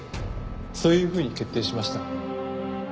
そういうふうに決定しました。